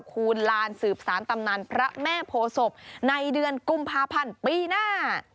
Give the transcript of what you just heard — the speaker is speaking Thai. คูณลานสืบสารตำนานพระแม่โพศพในเดือนกุมภาพันธ์ปีหน้า